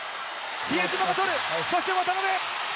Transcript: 比江島が取る、そして渡邊。